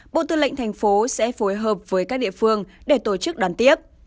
bộ tư lệnh thành phố sẽ phối hợp với các địa phương để tổ chức đón tiếp